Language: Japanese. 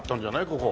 ここ。